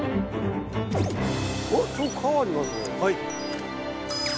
はい。